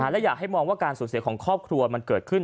และอยากให้มองว่าการสูญเสียของครอบครัวมันเกิดขึ้น